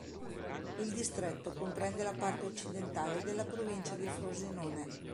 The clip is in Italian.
Il distretto comprende la parte occidentale della provincia di Frosinone.